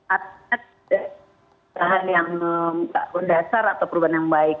ada bahan yang tidak berdasar atau perubahan yang baik